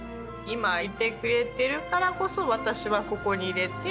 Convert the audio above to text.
今いてくれているからこそ私はここにいれて。